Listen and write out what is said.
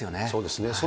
そうですね。